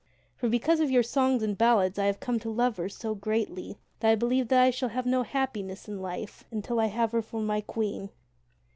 For because of your songs and ballads I have come to love her so greatly that I believe that I shall have no happiness in life until I have her for my Queen.